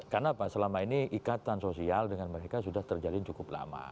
karena selama ini ikatan sosial dengan mereka sudah terjadi cukup lama